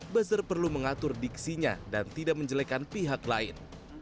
buzzer perlu mengatur diksinya dan tidak menjelekan pihak lain